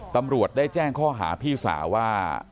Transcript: ตำรวจได้แจ้งข้อหาพี่สาวว่า